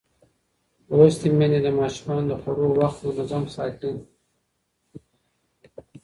لوستې میندې د ماشومانو د خوړو وخت منظم ساتي.